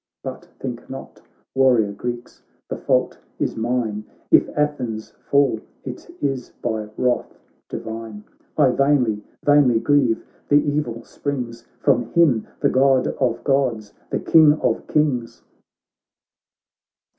But think not, warrior Greeks, the fault is mine, If Athens fall — it is by wrath divine. I vainly, vainly grieve, the evil springs From him — the God of Gods, the King of Kings